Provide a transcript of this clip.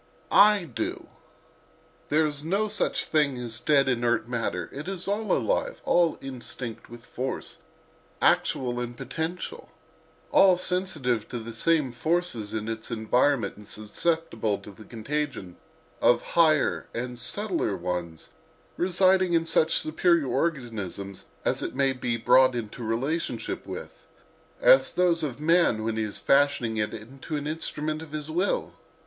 I do. There is no such thing as dead, inert matter: it is all alive; all instinct with force, actual and potential; all sensitive to the same forces in its environment and susceptible to the contagion of higher and subtler ones residing in such superior organisms as it may be brought into relation with, as those of man when he is fashioning it into an instrument of his will.